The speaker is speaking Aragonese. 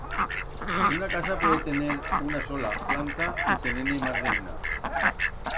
Una casa puede tener una sola planta u tener-ne mas d'una.